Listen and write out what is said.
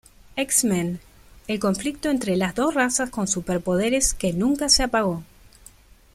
X-Men", el conflicto entre las dos razas con superpoderes nunca se apagó.